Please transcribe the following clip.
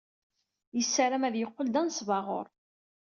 Yessaram ad yeqqel d anesbaɣur.